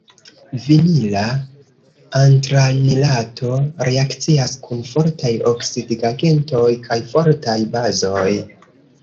Vinila antranilato reakcias kun fortaj oksidigagentoj kaj fortaj bazoj.